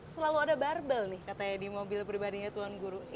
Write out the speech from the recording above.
selalu ada barbel nih katanya di mobil pribadinya tuan guru